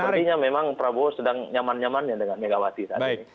dan kebetulannya memang prabowo sedang nyaman nyaman ya dengan megawati tadi